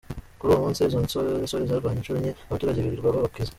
Kuri uwo munsi, izo nsoresore zarwanye incuro enye abaturage birirwa babakiza.